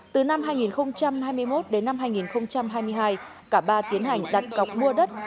từ năm hai nghìn hai mươi một đến năm hai nghìn hai mươi hai cả ba tiến hành đặt cọc mua đất